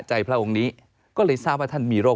พระองค์นี้ก็เลยทราบว่าท่านมีโรค